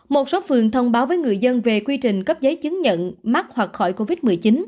một số phường thông báo với người dân về quy trình cấp giấy chứng nhận mắc hoặc khỏi covid một mươi chín